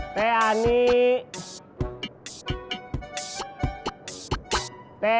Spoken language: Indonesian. ibu juga masih jauh